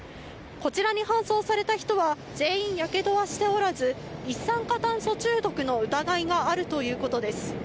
こちらに搬送された人は、全員、やけどはしておらず、一酸化炭素中毒の疑いがあるということです。